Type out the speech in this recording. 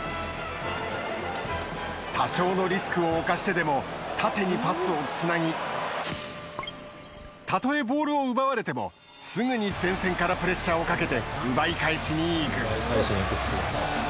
多少のリスクを冒してでも縦にパスをつなぎたとえ、ボールを奪われてもすぐに前線からプレッシャーをかけて、奪い返しにいく。